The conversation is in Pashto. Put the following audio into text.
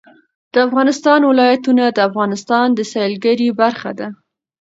د افغانستان ولايتونه د افغانستان د سیلګرۍ برخه ده.